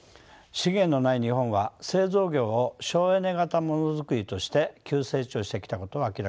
資源のない日本は製造業を省エネ型モノ作りとして急成長してきたことは明らかです。